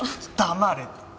黙れって。